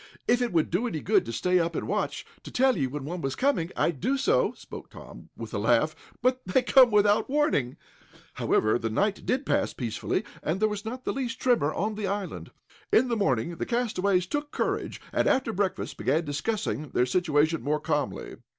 "If it would do any good to stay up and watch, to tell you when one was coming, I'd do so," spoke Tom, with a laugh, "but they come without warning." However, the night did pass peacefully, and there was not the least tremor of the island. In the morning the castaways took courage and, after breakfast, began discussing their situation more calmly.